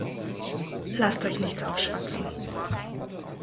Lasst euch nichts aufschwatzen.